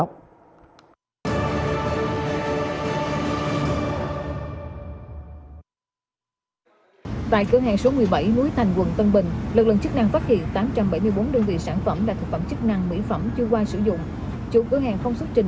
chủ cửa hàng không xuất trình được chứng từ mua bán giấy tờ kiểm trình chất lượng sản phẩm được quy định